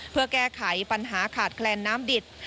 เพื่อแก้ไขปัญหาขาดแคลนน้ำดิบ